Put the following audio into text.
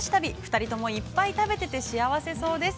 ２人とも、いっぱい食べてて、幸せそうです。